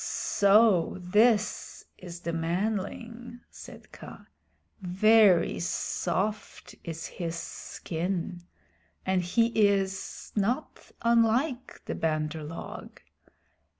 "So this is the manling," said Kaa. "Very soft is his skin, and he is not unlike the Bandar log.